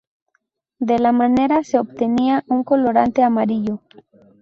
De la madera se obtenía un colorante amarillo.